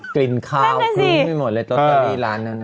กลิ่นขาวมือไม่หมดเลยโตเตอรีร้านนั้น